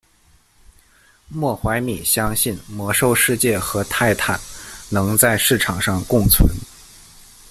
莫怀米相信魔兽世界和泰坦能在市场上共存。